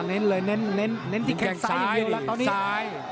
เน้นเลยเน้นที่แข่งซ้ายอย่างเดียวแล้วตอนนี้